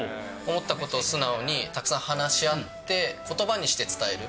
思ったことを素直にたくさん話し合って、ことばにして伝える。